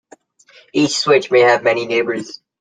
Each switch may have many neighbors.